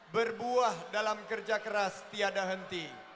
berbuah dalam kerja keras tiada henti